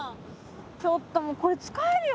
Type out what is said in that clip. ちょっともうこれ使えるよ。